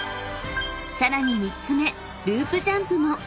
［さらに３つ目ループジャンプも］